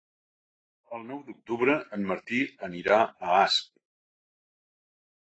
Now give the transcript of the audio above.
El nou d'octubre en Martí anirà a Asp.